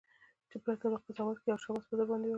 چي پر تا به قضاوت کړي او شاباس درباندي اوري